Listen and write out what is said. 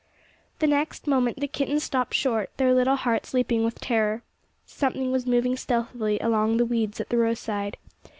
The next moment the kittens stopped short, their little hearts leaping with terror. Something was moving stealthily among the weeds at the roadside.